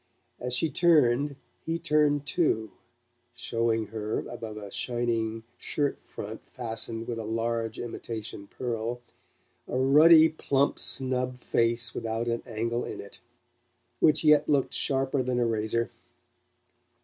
As she turned he turned too, showing her, above a shining shirt front fastened with a large imitation pearl, a ruddy plump snub face without an angle in it, which yet looked sharper than a razor.